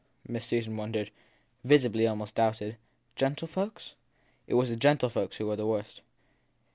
Miss Susan wondered visibly almost doubted. Gentle folks ? t It was the gentlefolks who were the worst.